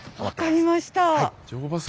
分かりました。